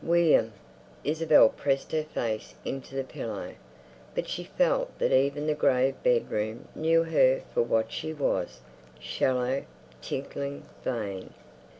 _ William! Isabel pressed her face into the pillow. But she felt that even the grave bedroom knew her for what she was, shallow, tinkling, vain....